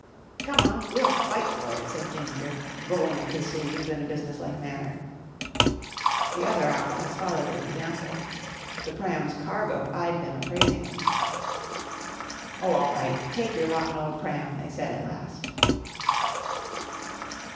"Come on! We'll fight for it," said Ginger, rolling up his sleeves in a businesslike manner. The other Outlaws followed his example. The pram's cargo eyed them appraisingly. "Oh, all right! Take your rotten old pram!" they said at last.